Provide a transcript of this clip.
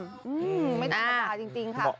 อืมไม่ต้องปล่าจริงค่ะ